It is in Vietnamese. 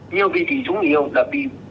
nhiều vị trí trung yếu đã bị